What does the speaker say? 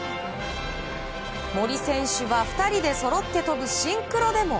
森選手は２人でそろって跳ぶシンクロでも。